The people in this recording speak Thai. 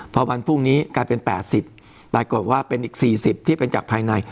พอวันพรุ่งนี้กลายเป็น๘๐ปรากฏว่าเป็นอีก๔๐ที่เป็นจากภายใน